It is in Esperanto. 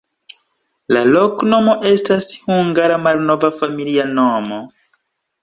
La loknomo estas hungara malnova familia nomo.